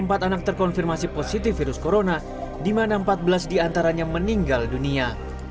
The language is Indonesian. mereka terkonfirmasi positif virus corona dimana empat belas diantaranya meninggal dunia